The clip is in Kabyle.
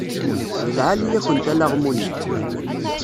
D lɛali-yakent alaɣmu-nni.